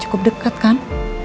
cukup dekat kan